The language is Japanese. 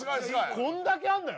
こんだけあんだよ